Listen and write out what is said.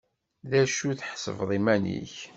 D acu tḥesbeḍ iman-ik?